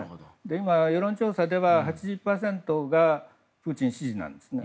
今、世論調査では８０％がプーチン支持なんですね。